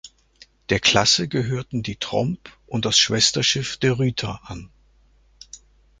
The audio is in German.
Der Klasse gehörten die Tromp und das Schwesterschiff "De Ruyter" an.